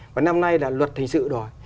và năm nay là luật hình sự đòi